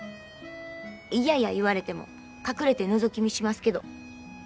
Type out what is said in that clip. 嫌や言われても隠れてのぞき見しますけど。